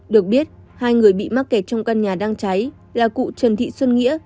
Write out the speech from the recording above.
được biết hai người bị mắc kẹt trong căn nhà đang cháy là cụ trần thị xuân nghĩa